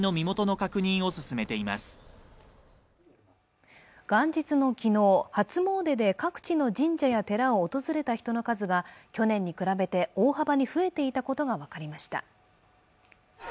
元日の昨日、初詣で各地の神社や寺を訪れた人の数が去年に比べて大幅に増えていたことが分かりました。